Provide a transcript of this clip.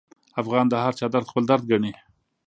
افغان د هرچا درد خپل درد ګڼي.